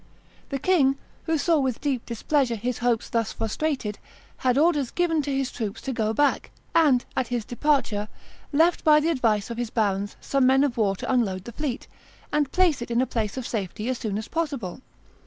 The king, who saw with deep displeasure his hopes thus frustrated, had orders given to his troops to go back, and, at his departure, left, by the advice of his barons, some men of war to unload the fleet, and place it in a place of safety as soon as possible.